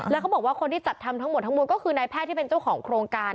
แล้วเขาบอกว่าคนที่จัดทำทั้งหมดทั้งมวลก็คือนายแพทย์ที่เป็นเจ้าของโครงการ